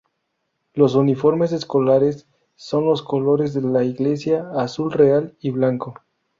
Los uniformes escolares son los colores de la iglesia: azul real y blanco.